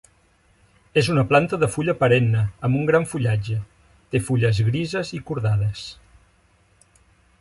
És una planta de fulla perenne amb un gran fullatge; té fulles grises i cordades.